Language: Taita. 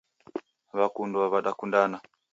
W'akundwa w'adakundana.